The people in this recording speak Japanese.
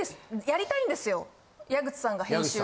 やりたいんですよ矢口さんが編集。